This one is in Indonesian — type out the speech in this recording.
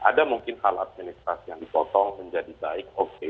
ada mungkin hal administrasi yang dipotong menjadi baik oke